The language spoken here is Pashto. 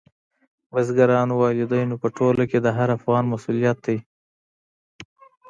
بزګرانو، والدینو په ټوله کې د هر افغان مسؤلیت دی.